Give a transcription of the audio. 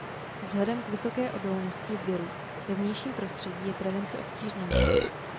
Vzhledem k vysoké odolnosti viru ve vnějším prostředí je prevence obtížná.